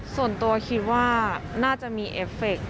ส่วนตัวคิดว่าน่าจะมีผลสรรพย์